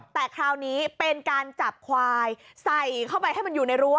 แต่คราวนี้เป็นการจับควายใส่เข้าไปให้มันอยู่ในรั้